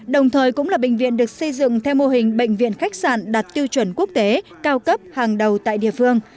đồng thời cũng là bệnh viện được xây dựng theo mô hình bệnh viện khách sạn đạt tiêu chuẩn quốc tế cao cấp hàng đầu tại địa phương